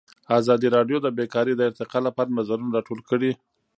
ازادي راډیو د بیکاري د ارتقا لپاره نظرونه راټول کړي.